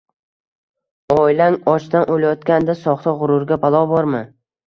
Oilang ochdan o`layotganda, soxta g`ururga balo bormi